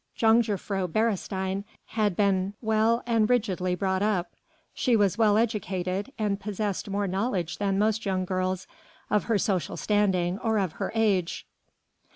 Jongejuffrouw Beresteyn had been well and rigidly brought up; she was well educated, and possessed more knowledge than most young girls of her social standing or of her age.